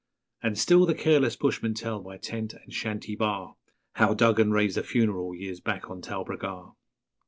And still the careless bushmen tell by tent and shanty bar How Duggan raised a funeral years back on Talbragar.